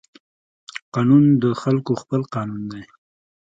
قانون د خلقو خپل قانون دى.